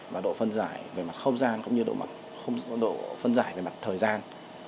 và độ phân giải về mặt không gian cũng như độ phân giải về mặt thời gian